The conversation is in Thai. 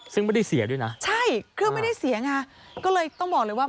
ซึ่งไม่ได้เสียด้วยนะใช่เครื่องไม่ได้เสียไงก็เลยต้องบอกเลยว่า